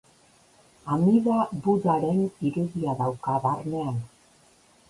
Amida Budaren irudia dauka barnean.